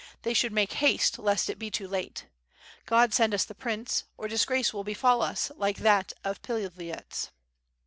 They should make haste lest it be too late. God send us the prince, or disgrace will befall us like that of Pilavyets."